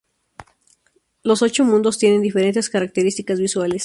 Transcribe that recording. Los ocho mundos tienen diferentes características visuales.